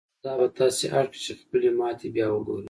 دا به تاسې اړ کړي چې خپلې ماتې بيا وګورئ.